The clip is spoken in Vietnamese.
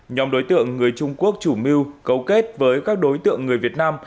nhóm đối tượng người trung quốc chủ mưu cấu kết với các đối tượng người việt nam